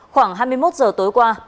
khoảng hai mươi một giờ tối qua